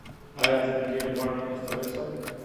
ایا زه د ګیډې غوړ ایستلی شم؟